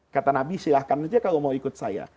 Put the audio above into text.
kata nabi silahkan aja kalau mau ikut saya